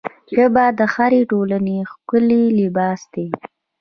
ژبه د هرې ټولنې ښکلی لباس دی